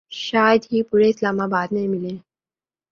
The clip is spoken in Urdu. شاید ہی پورے اسلام آباد میں ملے